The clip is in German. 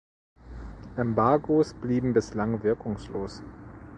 Embargos blieben bislang wirkungslos.